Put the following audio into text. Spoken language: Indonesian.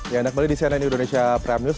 ya kembali di saya renny indonesia prime news